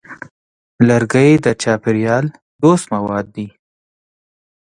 لرګی د چاپېریال دوست مواد دی.